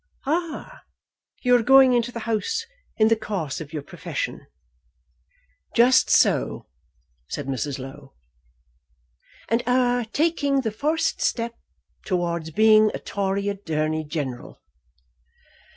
"Ah; you are going into the House in the course of your profession." "Just so," said Mrs. Low. "And are taking the first step towards being a Tory Attorney General."